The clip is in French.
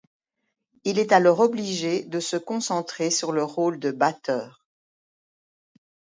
Il est alors obligé de se concentrer sur le rôle de batteur.